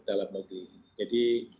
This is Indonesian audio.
dalam negeri jadi